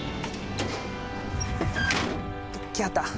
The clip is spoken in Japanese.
来はった。